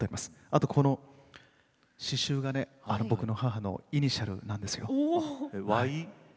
あとこの刺しゅうがね僕の母のイニシャルなんですよ。